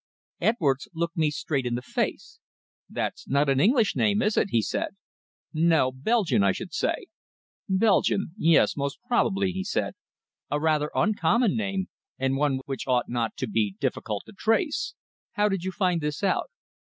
Edwards looked me straight in the face. "That's not an English name, is it?" he said. "No, Belgian, I should say." "Belgian? Yes, most probably," he said. "A rather uncommon name, and one which ought not to be difficult to trace. How did you find this out?"